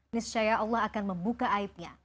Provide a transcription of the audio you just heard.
niscaya allah akan membuka aibnya